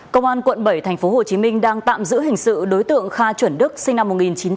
công an quận bảy tp hcm đang tạm giữ hình sự đối tượng kha chuẩn đức sinh năm một nghìn chín trăm tám mươi